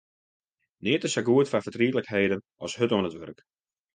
Neat is sa goed foar fertrietlikheden as hurd oan it wurk.